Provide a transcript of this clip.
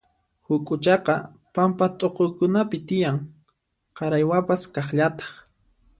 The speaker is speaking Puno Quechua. Huk'uchaqa pampa t'uqukunapi tiyan, qaraywapas kaqllataq.